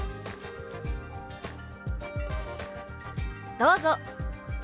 どうぞ！